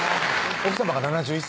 奥さまが７１歳？